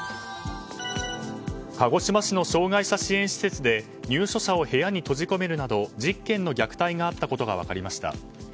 鹿児島市の障害者支援施設で入所者を部屋に閉じ込めるなど１０件の虐待があったことが分かりました。